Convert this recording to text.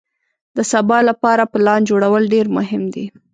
د سبا لپاره پلان جوړول ډېر مهم دي.